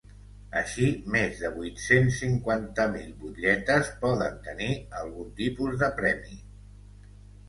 Així, més de vuit-cents cinquanta mil butlletes poden tenir algun tipus de premi.